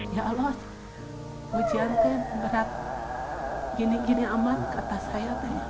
ya allah ujian kan berat gini gini aman kata saya